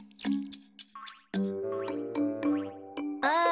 あ。